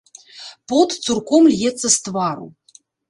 Пот цурком льецца з твару.